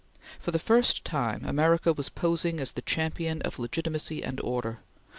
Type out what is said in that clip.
For the first time America was posing as the champion of legitimacy and order.